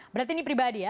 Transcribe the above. berarti ini pribadi ya